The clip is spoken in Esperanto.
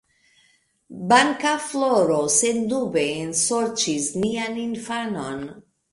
Bankafloro sendube ensorĉis nian infanon.